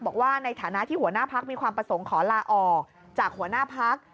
บอกว่าในฐานะที่หัวหน้าพักมีความประสงค์ขอลาออกจากหัวหน้าพัก